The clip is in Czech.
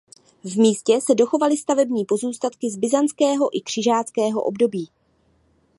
V místě se dochovaly stavební pozůstatky z byzantského i křižáckého období.